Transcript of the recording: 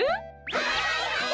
はいはいはい！